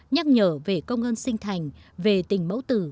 nhắc nhở về công ơn sinh thành về tình mẫu tử